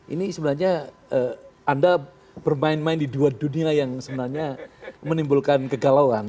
ini sebenarnya anda bermain main di dua dunia yang sebenarnya menimbulkan kegalauan